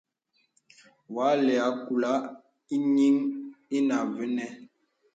Wà lɛ àkùla ìyìŋ ìnə vənə.